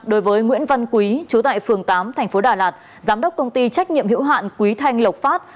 đối với nguyễn văn quý chú tại phường tám thành phố đà lạt giám đốc công ty trách nhiệm hữu hạn quý thanh lộc phát